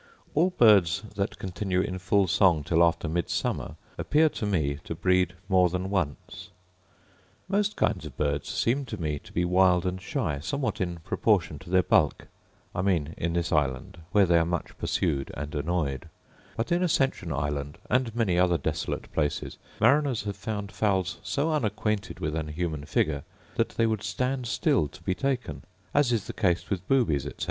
All birds that continue in full song till after Midsummer appear to me to breed more than once. Most kinds of birds seem to me to be wild and shy somewhat in proportion to their bulk; I mean in this island, where they are much pursued and annoyed: but in Ascension island, and many other desolate places, mariners have found fowls so unacquainted with an human figure, that they would stand still to be taken; as is the case with boobies, etc.